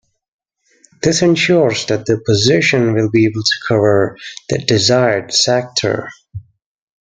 This ensures that the position will be able to cover the desired sector.